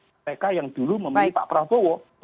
mereka yang dulu memilih pak prabowo